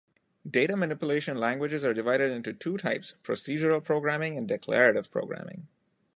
Data manipulation languages are divided into two types, procedural programming and declarative programming.